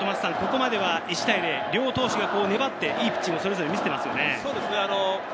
ここまでは１対０、両投手が粘っていいピッチングを見せていますね。